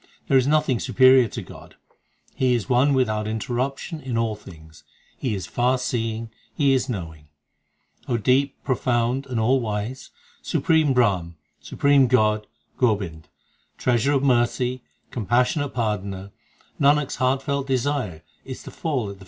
There is nothing superior to God ; He is one without interruption in all things ; He is far seeing ; He is knowing. deep, profound, and all wise, Supreme Brahm, Supreme God, Gobind, Treasure of mercy, compassionate Pardoner, Nanak s heartfelt desire is To fall at the feet of Thy saints.